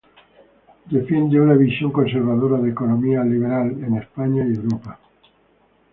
Defienden una visión conservadora de economía liberal en España y Europa.